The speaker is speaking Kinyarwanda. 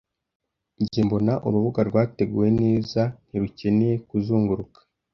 Njye mbona, urubuga rwateguwe neza ntirukeneye kuzunguruka.